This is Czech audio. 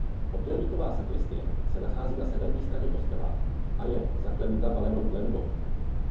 Obdélníková sakristie se nachází na severní straně kostela a je zaklenuta valenou klenbou.